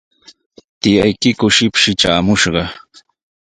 ¿Tiyaykiku shipshi traamushqa?